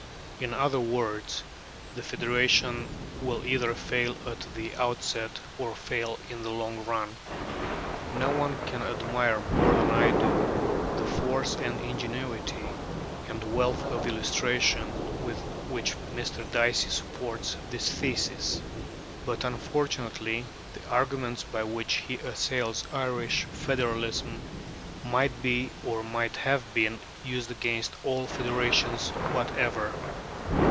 In other words, the federation will either fail at the outset, or fail in the long run. No one can admire more than I do the force and ingenuity and wealth of illustration with which Mr. Dicey supports this thesis. But unfortunately the arguments by which he assails Irish federalism might be, or might have been, used against all federations whatever.